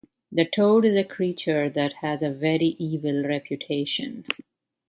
The toad is a creature that has a very evil reputation.